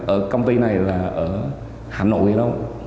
ở công ty này là ở hà nội đâu